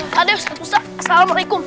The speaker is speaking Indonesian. pak deh ustadz musa assalamualaikum